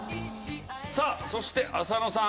さあそして浅野さん。